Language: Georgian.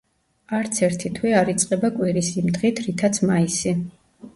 არც ერთი თვე არ იწყება კვირის იმ დღით, რითაც მაისი.